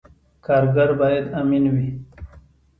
کارګر باید امین وي